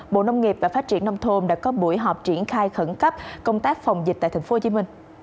bộ nông nghiệp và phát triển nông thôn đã có buổi họp triển khai khẩn cấp công tác phòng dịch tại tp hcm